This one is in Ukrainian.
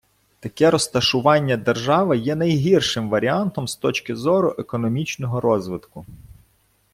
Таке розташування держави є найгіршим варіантом з точки зору економічного розвитку.